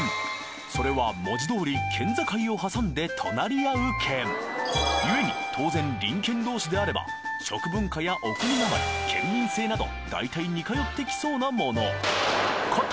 それは文字通り県境を挟んで隣り合う県ゆえに当然隣県同士であれば食文化やお国訛り県民性など大体似通ってきそうなもの